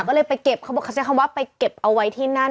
ก็เลยไปเก็บเขาบอกเขาใช้คำว่าไปเก็บเอาไว้ที่นั่น